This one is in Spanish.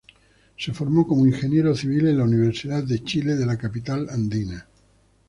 Se formó como ingeniero civil en la Universidad de Chile de la capital andina.